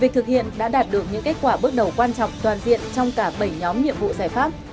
việc thực hiện đã đạt được những kết quả bước đầu quan trọng toàn diện trong cả bảy nhóm nhiệm vụ giải pháp